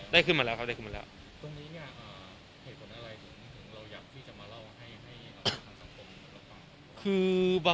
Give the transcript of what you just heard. ได้ขึ้นมาแล้วครับได้ขึ้นมาแล้ว